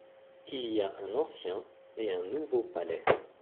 Il y a un ancien et un nouveau palais.